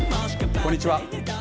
こんにちは。